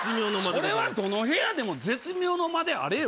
それはどの部屋でも絶妙の間であれよ